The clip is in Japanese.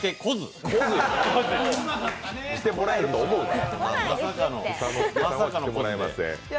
来てもらえると思うな。